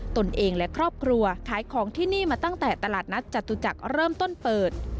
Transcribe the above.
ตนเองและครอบครัวขายของที่นี่มาตั้งแต่ตลาดนัดจตุจักรเริ่มต้นเปิด